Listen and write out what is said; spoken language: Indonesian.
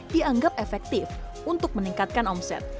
dianggap efektif untuk meningkatkan omset